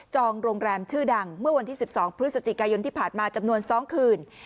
โรงแรมชื่อดังเมื่อวันที่๑๒พฤศจิกายนที่ผ่านมาจำนวน๒คืน